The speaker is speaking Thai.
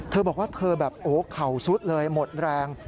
เธอบอกว่าเธอแบบโอ้โหเข่าซุดเลยหมดแรง